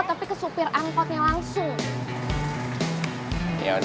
tapi ke supir angkotnya langsung